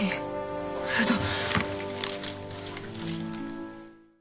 これだ。